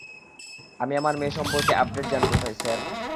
আমি আমার মেয়ে সম্পর্কে আপডেট জানতে চাই-- স্যার!